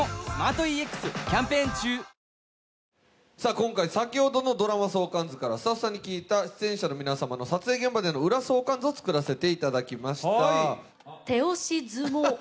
今回、先ほどのドラマ相関図からスタッフさんに聞いた出演者の皆さんの裏相関図を作らせていただきました。